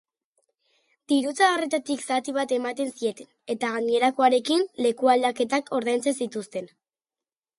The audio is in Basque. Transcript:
Dirutza horretatik zati bat ematen zieten, eta gainerakoarekin lekualdaketak ordaintzen zituzten.